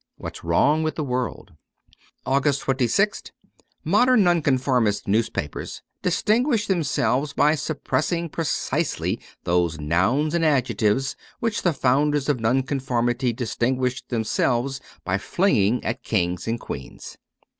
'What's Wrong with the World.' 263 AUGUST 26th MODERN Nonconformist newspapers distin guish themselves by suppressing precisely those nouns and adjectives which the founders of Nonconformity distinguished themselves by flinging at kings and queens.